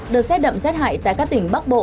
đợt xét đậm xét hại tại các tỉnh bắc bộ